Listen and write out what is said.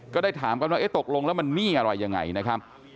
ก็ได้ถามกันว่าตกลงแล้วมันหนี้อะไรยังไงนะครับ